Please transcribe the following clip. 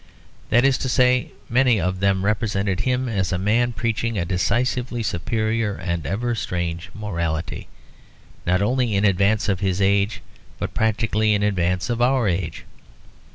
That is to say, many of them represented him as a man preaching a decisively superior and ever strange morality, not only in advance of his age but practically in advance of our age.